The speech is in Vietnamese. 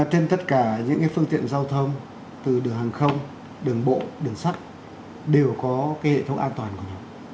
tên tất cả những cái phương tiện giao thông từ đường hàng không đường bộ đường sắt đều có cái hệ thống an toàn của nhau